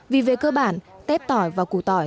vì về cơ bản tép tỏi và củ tỏi